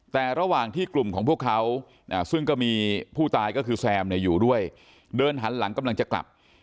แต่ระหว่างที่กลุ่มของพวกเขาซึ่งก็มีผู้ตายก็คือแซมอยู่ด้วยเดินหันหลังกำลังจะกลับ